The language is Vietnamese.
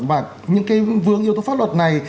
và những cái vướng yếu tố pháp luật này